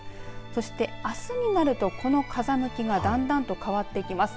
そして、あすになるとこの風向きがだんだんと変わっていきます。